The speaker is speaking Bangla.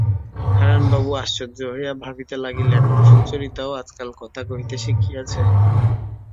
হারানবাবু আশ্চর্য হইয়া ভাবিতে লাগিলেন– সুচরিতাও আজকাল কথা কহিতে শিখিয়াছে!